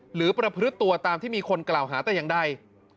ประพฤติตัวตามที่มีคนกล่าวหาแต่อย่างใด